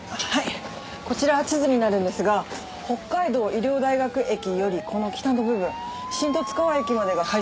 こちら地図になるんですが北海道医療大学駅よりこの北の部分新十津川駅までが廃線になります。